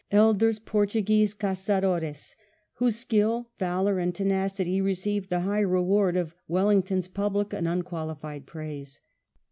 Elder's Portuguese Ca9adores, whose skill, valour, and tenacity received the high reward of Wellington's public and unqualified praise.